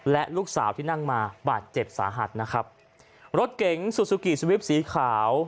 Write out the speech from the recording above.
และลูกสาวที่นั่งมาบาดเจ็บสาหัสนะครับรถเก๋งซูซูกิสวิปสีขาว